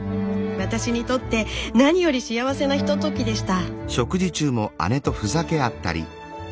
私にとって何より幸せなひとときでした。